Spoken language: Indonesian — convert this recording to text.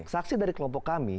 saksi dari kelompok kami